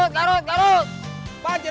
kadang cuma bayi